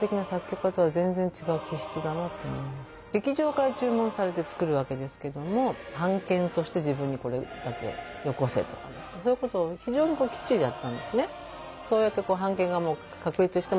劇場から注文されて作るわけですけども版権として自分にこれだけよこせとかそういうことを非常にきっちりやったんですね。